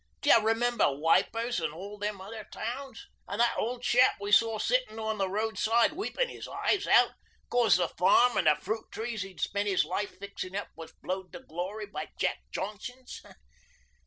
'D'you remember Wipers an' all them other towns? An' that old chap we saw sittin' on the roadside weepin' 'is eyes out 'cos the farm an' the fruit trees 'e'd spent 'is life fixin' up was blowed to glory b' Jack Johnsons.